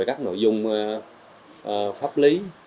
các nội dung pháp lý